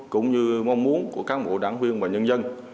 cũng như mong muốn của cán bộ đảng viên và nhân dân